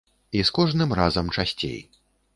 І з кожным разам часцей.